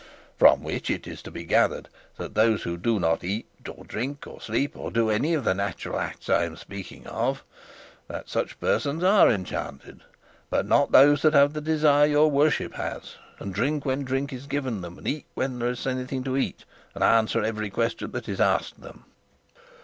From which it is to be gathered that those who do not eat, or drink, or sleep, or do any of the natural acts I am speaking of that such persons are enchanted; but not those that have the desire your worship has, and drink when drink is given them, and eat when there is anything to eat, and answer every question that is asked them."